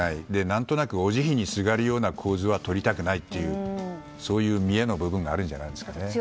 何となく、お慈悲にすがるような構図はとりたくないというそういう見えの部分があるんじゃないですかね。